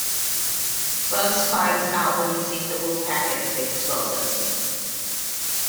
Bugs climbs out when he sees the wolf pack it with explosives.